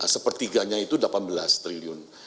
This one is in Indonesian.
sepertiganya itu delapan belas triliun